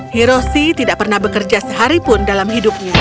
hiroshi tidak pernah bekerja seharipun dalam hidupnya